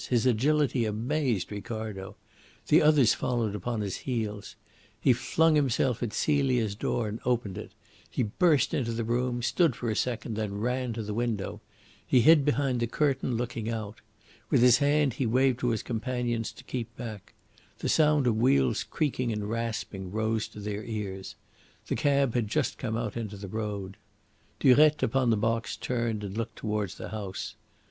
His agility amazed Ricardo. The others followed upon his heels. He flung himself at Celia's door and opened it He burst into the room, stood for a second, then ran to the window. He hid behind the curtain, looking out. With his hand he waved to his companions to keep back. The sound of wheels creaking and rasping rose to their ears. The cab had just come out into the road. Durette upon the box turned and looked towards the house.